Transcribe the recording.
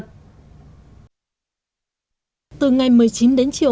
từ ngày một mươi chín đến chiều